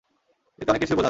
এতেই অনেক কিছু বোঝা যায়।